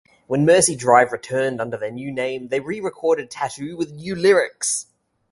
When Mercy Drive returned under their new name, they rerecorded Tattoo with new lyrics.